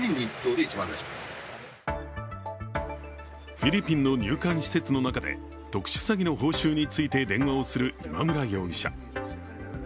フィリピンの入管施設の中で特殊詐欺の報酬について電話をする今村容疑者。